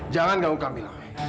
jangan ganggu kak mila